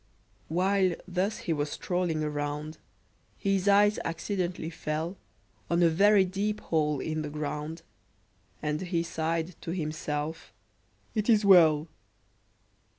While thus he was strolling around, His eye accidentally fell On a very deep hole in the ground, And he sighed to himself, "It is well!"